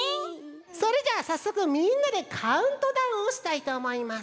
それじゃあさっそくみんなでカウントダウンをしたいとおもいます。